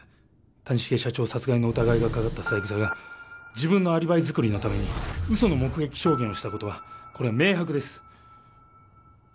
谷繁社長殺害の疑いがかかった三枝が自分のアリバイづくりのために嘘の目撃証言をしたのは明白です